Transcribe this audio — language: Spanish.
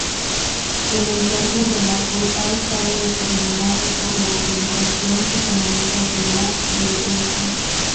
El entorno del árbol ha estado determinado por la utilización económica de la dehesa.